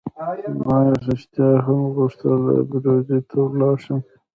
ما رښتیا هم غوښتل ابروزي ته ولاړ شم.